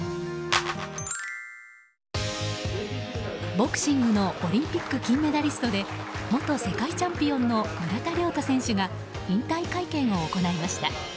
ボクシングのオリンピック金メダリストで元世界チャンピオンの村田諒太選手が引退会見を行いました。